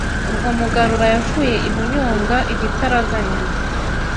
ubwo Mugarura yavuye i Bunyonga igitaraganya